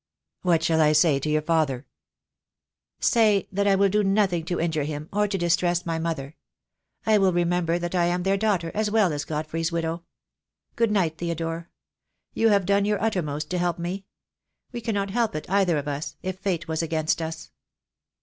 "What shall I say to your father?" THE DAY WILL COME. 279 "Say that I will do nothing to injure him — or to distress my mother. I will remember that I am their daughter, as well as Godfrey's widow. Good night, Theodore. You have done your uttermost to help me. We cannot help it, either of us, if Fate was against us."